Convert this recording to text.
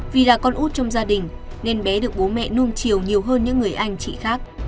vì là con út trong gia đình nên bé được bố mẹ nung chiều nhiều hơn những người anh chị khác